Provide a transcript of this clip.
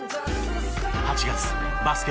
８月バスケ